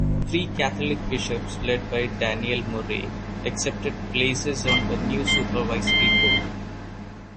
Three Catholic bishops, led by Daniel Murray, accepted places on the new supervisory board.